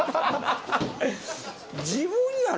自分やろ。